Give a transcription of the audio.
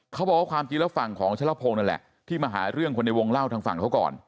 เขาบอกว่าความจริงแล้วฝั่งของชะละพงศ์นั่นแหละที่มาหาเรื่องคนในวงเล่าทางฝั่งเขาก่อน